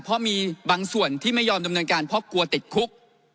เพราะมีบางส่วนที่ไม่ยอมดำเนินการเพราะกลัวติดคุก